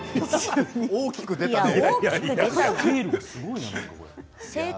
大きく出たね。